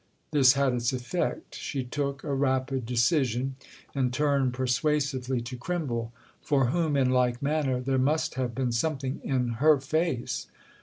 This had its effect; she took a rapid decision and turned persuasively to Crimble—for whom, in like manner, there must have been something in her face.